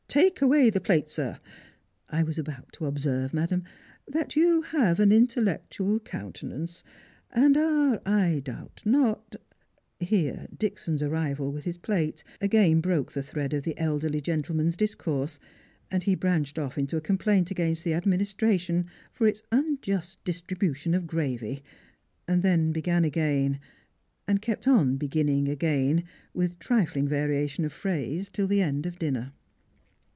Take the plate away, sir ! I was about to observe, madam, that you have an intellectual countenance, and are, I doubt not " Here Dickson's arrival with his plate again broke the thread of the elderly gentleman's discourse, and he branched off into a complaint against the administration for its unjust distribution of gravy ; and then began again, and kept on beginning again with trifling variation of phrase till the end of dinner.